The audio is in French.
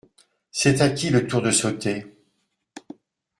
C’est à qui le tour de sauter ?